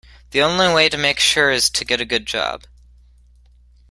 The only way to make sure is to get a good job